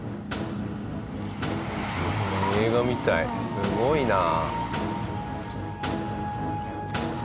すごいなあ。